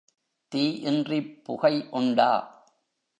தீ இன்றிப் புகை உண்டா?